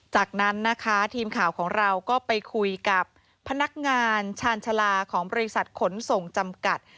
จากนั้นนะคะทีมข่าวของเราก็ไปคุยกับพนักงานชาญชาลาของบริษัทขนส่งจำกัด